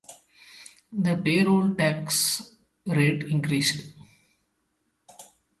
The payroll tax rate increased.